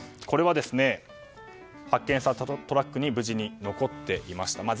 これは、発見されたトラックに無事に残っていました。